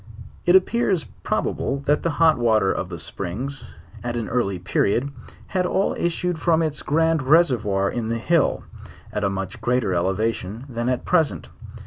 It appears probable that the hot water of the springs, at an early period, had all issued from, its grand reservoir in the hill, at a much greater elevation than at present.